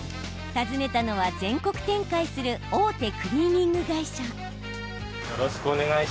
訪ねたのは、全国展開する大手クリーニング会社。